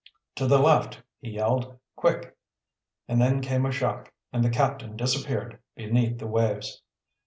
"To the left!" he yelled. "Quick!" And then came a shock, and the captain disappeared beneath the waves.